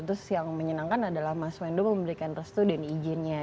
terus yang menyenangkan adalah mas wendo memberikan restu dan izinnya